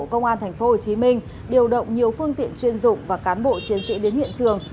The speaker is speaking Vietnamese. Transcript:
công an tp hcm điều động nhiều phương tiện chuyên dụng và cán bộ chiến sĩ đến hiện trường